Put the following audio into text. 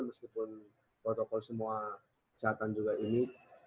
meskipun protokol semua kesehatan juga ini